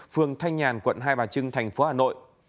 phường thanh nhàn quận hai bà trưng tp hà nội